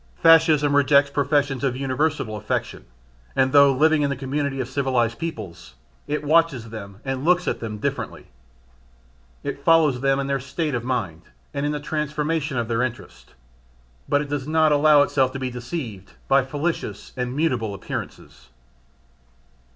Fascism rejects professions of universal affection and, though living in the community of civilised peoples, it watches them and looks at them diffidently. It follows them in their state of mind and in the transformation of their interests, but it does not allow itself to be deceived by fallacious and mutable appearances.